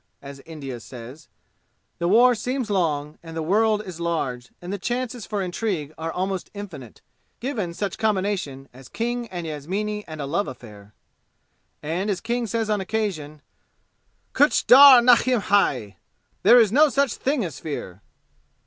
as India says. The war seems long, and the world is large, and the chances for intrigue are almost infinite, given such combination as King and Yasmini and a love affair. And as King says on occasion: "Kuch dar nahin hai! There is no such thing as fear!"